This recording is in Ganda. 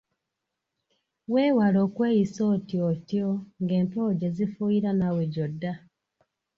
Weewale okweyisa otyo otyo ng'empewo gye zifuuyira naawe gy'odda.